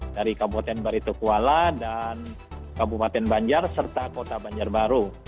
dari kabupaten baritokuala dan kabupaten banjar serta kota banjarbaru